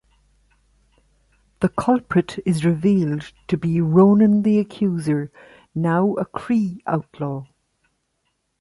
The culprit is revealed to be Ronan the Accuser, now a Kree outlaw.